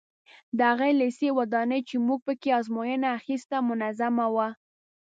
د هغه لېسې ودانۍ چې موږ په کې ازموینه اخیسته منظمه وه.